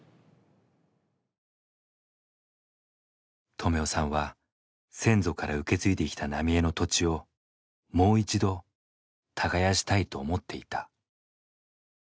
止男さんは先祖から受け継いできた浪江の土地をもう一度耕したいと思っていた。